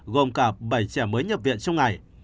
gồm cả bảy trẻ mới nhập viện trong ngày